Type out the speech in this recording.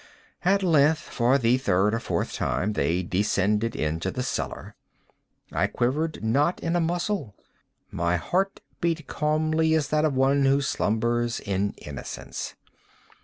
At length, for the third or fourth time, they descended into the cellar. I quivered not in a muscle. My heart beat calmly as that of one who slumbers in innocence.